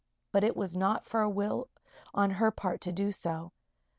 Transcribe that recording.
But it was not for a will on her part to do so.